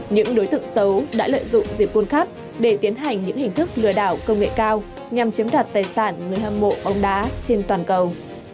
những đối tượng xấu đã lợi dụng dịp quân khắp để tiến hành những hình thức lừa đảo công nghệ cao nhằm chiếm đoạt tài sản người hâm mộ bóng đá trên toàn cầu